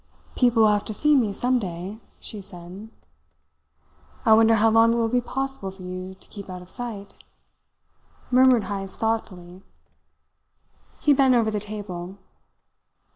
"People will have to see me some day," she said. "I wonder how long it will be possible for you to keep out of sight?" murmured Heyst thoughtfully. He bent over the table.